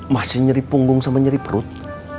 masih nyeri punggung sama nyeri perut